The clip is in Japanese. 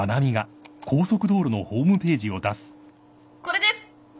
これです。